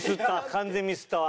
完全にミスったわ。